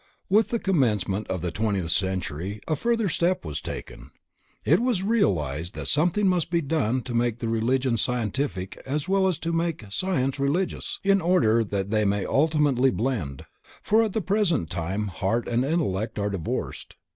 With the commencement of the twentieth century a further step was taken. It was realized that something must be done to make religion scientific as well as to make science religious, in order that they may ultimately blend; for at the present time heart and intellect are divorced.